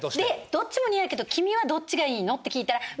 「どっちも似合うけど君はどっちがいいの？」って聞いたら。